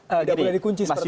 tidak boleh dikunci seperti itu